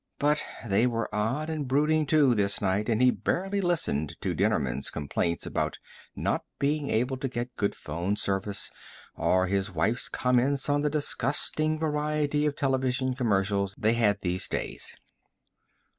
But they were odd and brooding, too, this night and he barely listened to Dennerman's complaints about not being able to get good phone service or his wife's comments on the disgusting variety of television commercials they had these days.